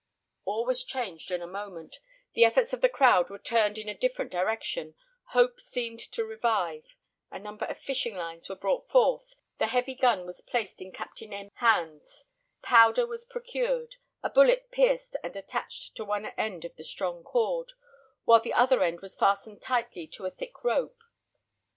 All was changed in a moment; the efforts of the crowd were turned in a different direction; hope seemed to revive; a number of fishing lines were brought forth, the heavy gun was placed in Captain M 's hands, powder was procured, a bullet pierced and attached to one end of the strong cord, while the other end was fastened tightly to a thick rope.